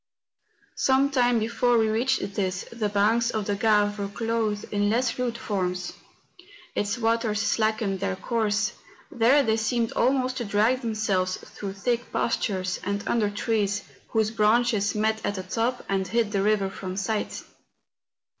Some time before we reached this, the banks of the Grave were clothed in less rude forms; its waters slackened their course; there they seemed almost to drag themselves through thick pastures, and under trees, whose branches met at the top and hid the river from sight.